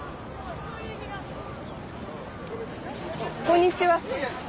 こんにちは。